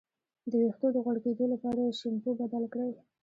د ویښتو د غوړ کیدو لپاره شیمپو بدل کړئ